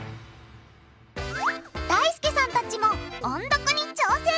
だいすけさんたちも音読に挑戦！